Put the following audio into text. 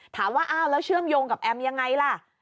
ถามว่าอ้าวแล้วเชื่อมโยงกับแอมยังไงล่ะ